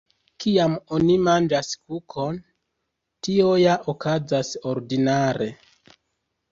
Kiam oni manĝas kukon, tio ja okazas ordinare.